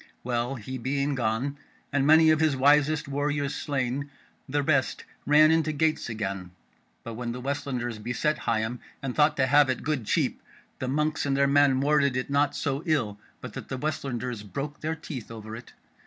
Well, he being gone, and many of his wisest warriors slain, the rest ran into gates again; but when the Westlanders beset Higham and thought to have it good cheap, the monks and their men warded it not so ill but that the Westlanders broke their teeth over it.